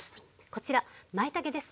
こちらまいたけです。